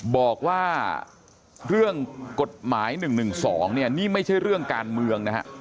บอกว่าเรื่องกฎหมาย๑๑๒เนี่ยนี่ไม่ใช่เรื่องการเมืองนะฮะ